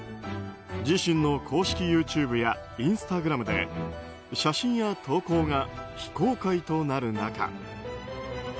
自身の公式ＹｏｕＴｕｂｅやインスタグラムで写真や投稿が非公開となる中